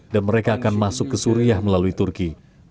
dan mereka akan masuk ke suriah melalui turki